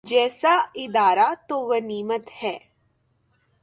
جیسا ادارہ تو غنیمت ہے۔